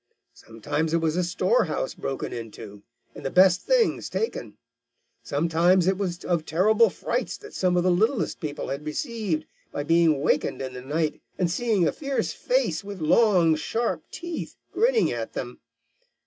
Sometimes it was a storehouse broken into, and the best things taken. Sometimes it was of terrible frights that some of the littlest people had received by being wakened in the night and seeing a fierce face with long, sharp teeth grinning at them.